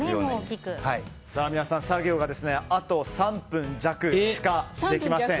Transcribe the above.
皆さん作業があと３分弱しかできません。